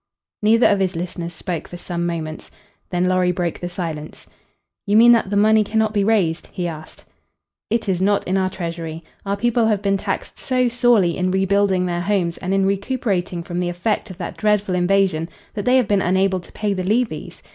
Neither of his listeners spoke for some moments. Then Lorry broke the silence. "You mean that the money cannot be raised?" he asked. "It is not in our treasury. Our people have been taxed so sorely in rebuilding their homes and in recuperating from the effect of that dreadful invasion that they have been unable to pay the levies.